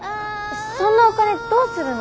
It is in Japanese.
そんなお金どうするの？